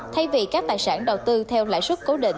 thay vì các tài sản đầu tư theo lãi suất cố định